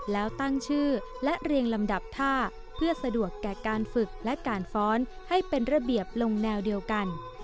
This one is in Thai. แล้วตั้งชื่อและเรียงลำดับท่าเพื่อสะดวกแก่การฝึกและการฟ้อนให้เป็นระเบียบลงแนวเดียวกัน